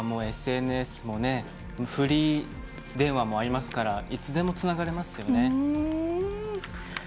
今はＳＮＳもフリー電話もありますからいつでも、つながれますよね。